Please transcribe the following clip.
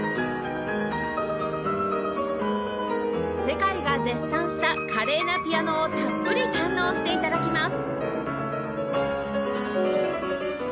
世界が絶賛した華麗なピアノをたっぷり堪能して頂きます